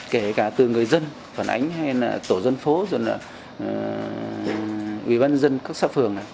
kể cả từ người dân phản ánh hay là tổ dân phố rồi là ủy ban dân các xã phường